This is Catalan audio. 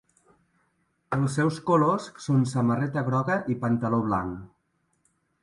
Els seus colors són samarreta groga i pantaló blanc.